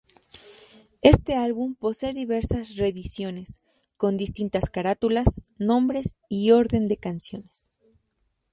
Este álbum posee diversas reediciones, con distintas carátulas, nombres y orden de canciones.